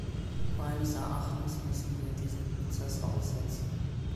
Meines Erachtens müssen wir diesen Prozess aussetzen.